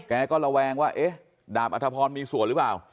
แกก็ระแวงว่าเอ๊ะดาบอัธพรมีส่วนหรือเปล่า